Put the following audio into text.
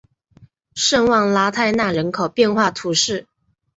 圣旺拉泰讷人口变化图示